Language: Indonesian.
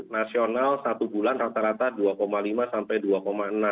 nasional satu bulan rata rata dua lima sampai dua enam